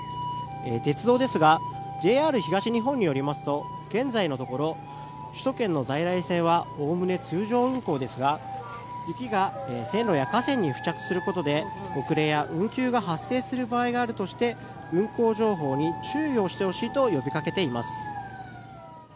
鉄道ですがＪＲ東日本によりますと現在のところ、首都圏の在来線はおおむね通常運行ですが雪が線路や架線に付着することで遅れや運休が発生する場合があるとして運行情報に注意をしてほしいと呼びかけています。